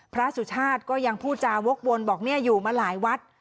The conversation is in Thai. สุชาติก็ยังพูดจาวกวนบอกเนี่ยอยู่มาหลายวัด